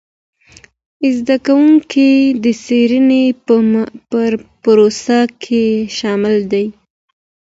زده کوونکي د څېړنې په پروسه کي شامل دي.